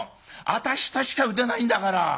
私としか打てないんだから。